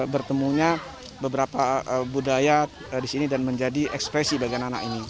bertemunya beberapa budaya di sini dan menjadi ekspresi bagian anak anak ini